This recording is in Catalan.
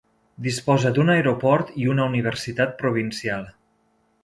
Disposa d'un aeroport i una universitat provincial.